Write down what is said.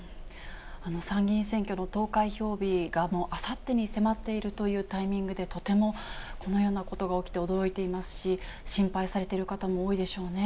参議院選挙の投開票日がもうあさってに迫っているというタイミングで、とてもこのようなことが起きて驚いていますし、心配されてる方も多いでしょうね。